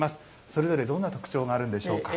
それぞれ、どんな特徴があるんでしょうか？